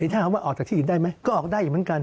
ถ้าคำว่าออกจากที่อื่นได้ไหมก็ออกได้อีกเหมือนกัน